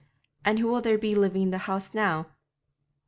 'And who will there be living in the house now?'